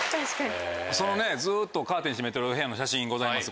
そのずっとカーテン閉めてるお部屋の写真ございます